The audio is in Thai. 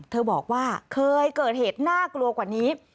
เธอบอกว่าเคยเกิดเหตุน่ากลัวกว่านี้